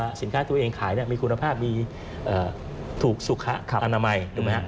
ว่าสินค้าตัวเองขายมีคุณภาพมีถูกสุขะอนามัย